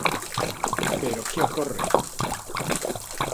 ¿Pero que ocorre?